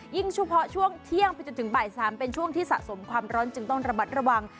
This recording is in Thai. เฉพาะช่วงเที่ยงไปจนถึงบ่าย๓เป็นช่วงที่สะสมความร้อนจึงต้องระมัดระวัง